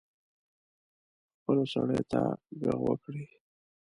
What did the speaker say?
خپلو سړیو ته ږغ وکړي.